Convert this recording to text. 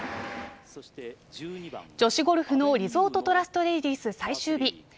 女子ゴルフのリゾートトラストレディス最終日。